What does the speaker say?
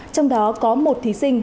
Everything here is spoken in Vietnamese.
trong đó có một thí sinh